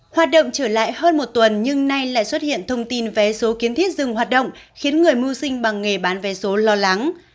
hoạt động trở lại hơn một tuần nhưng nay lại xuất hiện thông tin vé số kiến thiết dừng hoạt động khiến người mưu sinh bằng nghề bán vé số lo lắng